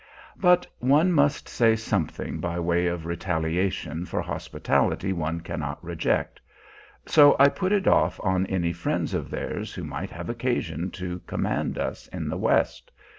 But one must say something by way of retaliation for hospitality one cannot reject. So I put it off on any friends of theirs who might have occasion to command us in the West.